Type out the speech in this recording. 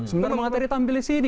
sebenarnya bang ateri tampil di sini